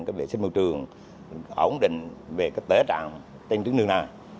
về vệ sinh môi trường ổn định về tế trạng trên trường nước này